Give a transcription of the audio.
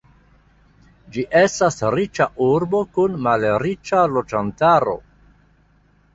Ĝi estas riĉa urbo kun malriĉa loĝantaro.